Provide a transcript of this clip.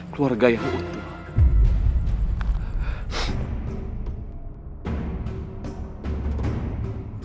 keluarga yang utuh